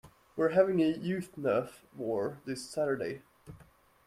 We're having a youth nerf war this Saturday.